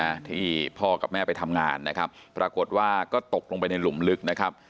นะที่พ่อกับแม่ไปทำงานนะครับปรากฏว่าก็ตกลงไปในหลุมลึกนะครับ